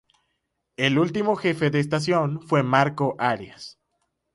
El último jefe de estación fue Marcos Arias.